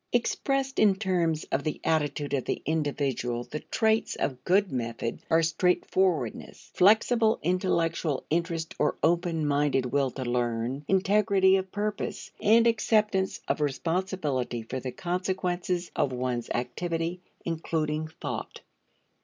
Expressed in terms of the attitude of the individual the traits of good method are straightforwardness, flexible intellectual interest or open minded will to learn, integrity of purpose, and acceptance of responsibility for the consequences of one's activity including thought.